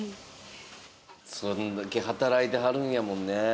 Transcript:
そんだけ働いてはるんやもんね。